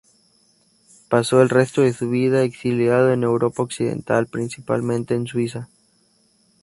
Pasó el resto de su vida exiliado en Europa occidental, principalmente en Suiza.